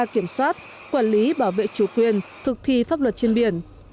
kiểm soát quản lý bảo vệ chủ quyền thực thi pháp luật trên biển